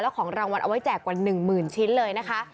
แล้วของรางวัลเอาไว้แจกกว่า๑๐๐๐๐ชิ้นเลยนะคะ